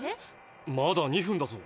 まだ２分だぞ。